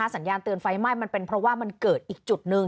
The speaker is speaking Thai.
สัญญาณเตือนไฟไหม้มันเป็นเพราะว่ามันเกิดอีกจุดหนึ่ง